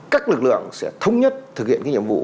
các lực lượng sẽ thống nhất thực hiện cái nhiệm vụ